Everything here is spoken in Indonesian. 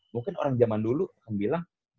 mungkin orang zaman dulu akan bilang